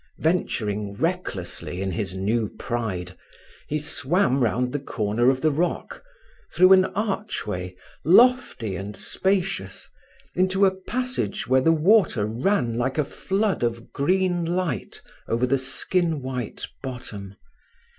Venturing recklessly in his new pride, he swam round the corner of the rock, through an archway, lofty and spacious, into a passage where the water ran like a flood of green light over the skin white bottom.